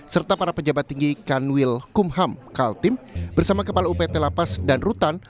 serta para pejabat tinggi kanwil kumham kaltim bersama kepala upt lapas dan rutan